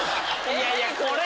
いやいやこれ。